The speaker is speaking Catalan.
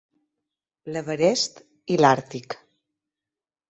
L'Everest i l'Àrtic.